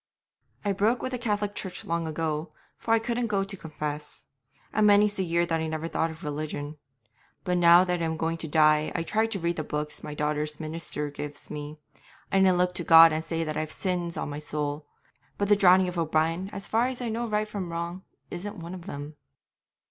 I broke with the Cath'lic Church long ago, for I couldn't go to confess; and many's the year that I never thought of religion. But now that I am going to die I try to read the books my daughter's minister gives me, and I look to God and say that I've sins on my soul, but the drowning of O'Brien, as far as I know right from wrong, isn't one of them.'